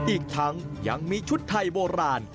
อีกทั้งยังมีชุดไทยโบราณ